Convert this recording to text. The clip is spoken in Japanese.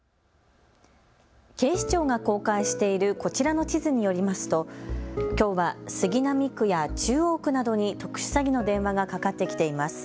警視庁が公開しているこちらの地図によりますときょうは杉並区や中央区などに特殊詐欺の電話がかかってきています。